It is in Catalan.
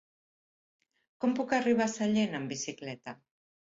Com puc arribar a Sallent amb bicicleta?